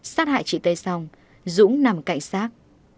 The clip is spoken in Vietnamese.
sát hại chị tây xong dũ nằm cạnh xác